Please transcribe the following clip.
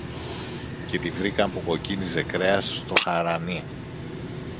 και τη βρήκαν που κοκκίνιζε κρέας στο χαρανί.